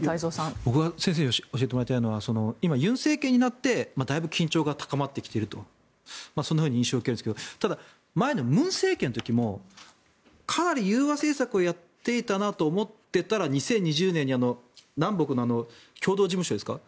僕が先生に教えてもらいたいのは今、尹政権になってだいぶ緊張が高まっているとそういう印象を受けるんですがただ、前の文政権の時もかなり融和政策をやっていたなと思っていたら２０２０年に南北の共同事務所ですか。